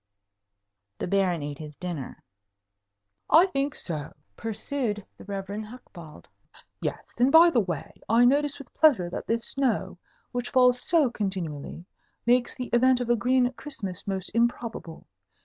The Baron ate his dinner. "I think so," pursued the Rev. Hucbald. "Yes. And by the way, I notice with pleasure that this snow, which falls so continually, makes the event of a green Christmas most improbable.